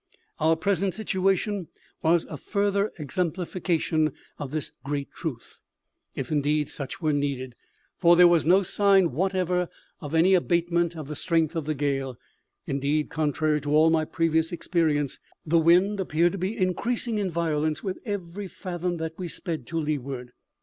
Our present situation was a further exemplification of this great truth, if indeed such were needed; for there was no sign whatever of any abatement of the strength of the gale; indeed, contrary to all my previous experience, the wind appeared to be increasing in violence with every fathom that we sped to leeward.